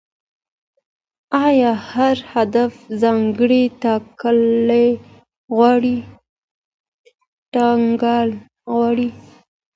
ايا هر هدف ځانګړې تګلاره غواړي؟